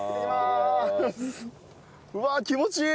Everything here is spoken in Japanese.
うわっ気持ちいい。